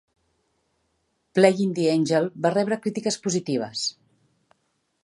"Playing the Angel" va rebre crítiques positives.